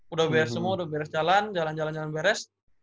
udah beres semua udah beres jalan jalan jalan beres